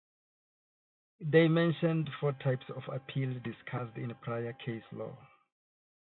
They mentioned four types of appeal discussed in prior case law.